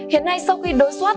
hiện nay sau khi đối soát